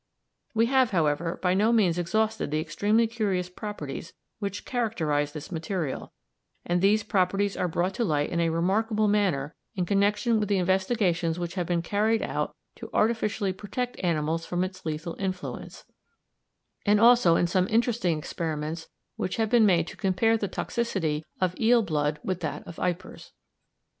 We have, however, by no means exhausted the extremely curious properties which characterise this material, and these properties are brought to light in a remarkable manner in connection with the investigations which have been carried out to artificially protect animals from its lethal influence, and also in some interesting experiments which have been made to compare the toxicity of eel blood with that of vipers.